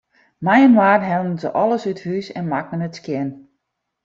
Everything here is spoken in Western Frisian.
Mei-inoar hellen se alles út it hûs en makken it skjin.